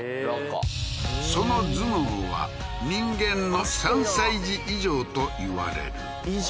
その頭脳は人間の３歳児以上といわれる以上？